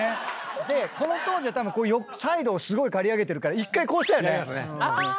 この当時はサイドをすごい刈り上げてるから１回こうしたよね。